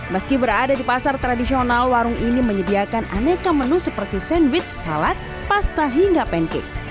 meski berada di pasar tradisional warung ini menyediakan aneka menu seperti sandwich salad pasta hingga pancake